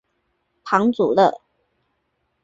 庞祖勒。